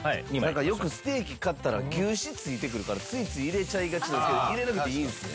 なんかよくステーキ買ったら牛脂ついてくるからついつい入れちゃいがちですけど入れなくていいんですね？